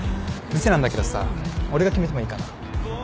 店なんだけどさ俺が決めてもいいかな？